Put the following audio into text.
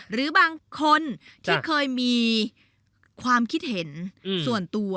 หรือบางคนที่เคยมีความคิดเห็นส่วนตัว